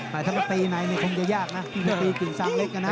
แต่ถ้าตีในก็คงจะยากนะแต่ถ้าตีจิงช่างเล็กนะ